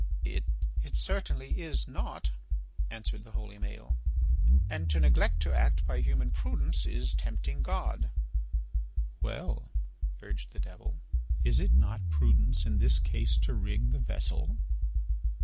"It certainly is not," answered the holy Maël, "and to neglect to act by human prudence is tempting God." "Well," urged the Devil, "is it not prudence in this case to rig the vessel?"